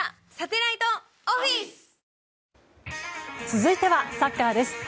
続いてはサッカーです。